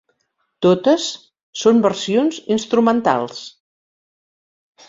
Totes són versions instrumentals.